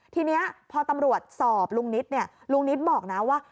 ทีนี้พอตำรวจสอบลุงนิดเนี่ยลุงนิดบอกนะว่า